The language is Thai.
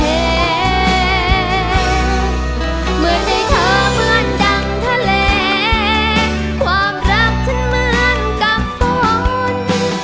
เหมือนในเธอเหมือนดังทะเลความรักฉันเหมือนกับฝน